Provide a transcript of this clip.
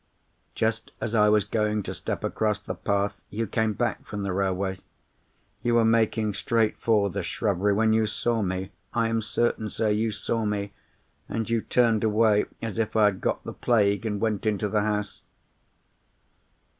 Just as I was going to step across the path, you came back from the railway. You were making straight for the shrubbery, when you saw me—I am certain, sir, you saw me—and you turned away as if I had got the plague, and went into the house.